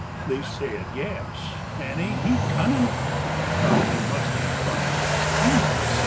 They said, "Yes," and, "Ain't he cunnin'?" And I thought they must be funnin', He's a _sight!